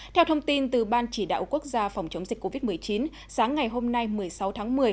theo thông tin từ ban chỉ đạo quốc gia phòng chống dịch covid một mươi chín sáng ngày hôm nay một mươi sáu tháng một mươi